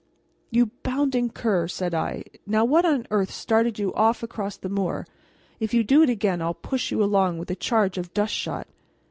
"You bounding cur," said I, "now what on earth started you off across the moor? If you do it again I'll push you along with a charge of dust shot."